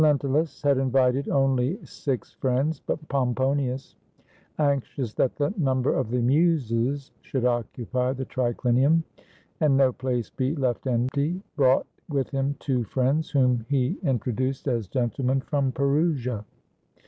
470 A ROMAN BANQUET Lentulus had invited only six friends, but Pomponius, — anxious that the number of the Muses should occupy the trichnium, and no place be left empty, — brought with him two friends, whom he introduced as gentlemen from Perusia.